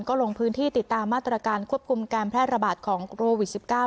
ก็ลงพื้นที่ติดตามมาตรการควบคุมการแพร่ระบาดของโควิด๑๙